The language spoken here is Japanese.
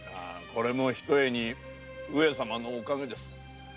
これもひとえに上様のお陰です。